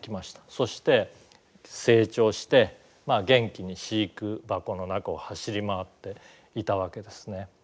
そして成長して元気に飼育箱の中を走り回っていたわけですね。